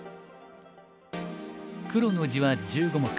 黒の地は１５目。